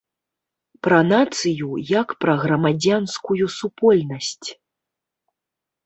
Пра нацыю, як пра грамадзянскую супольнасць.